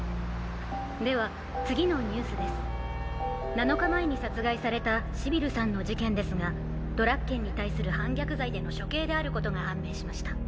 ７日前に殺害されたシビルさんの事件ですがドラッケンに対する反逆罪での処刑であることが判明しました。